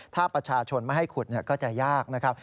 ถ้าประชาชนไม่ให้ขุดก็จะยากนะครับ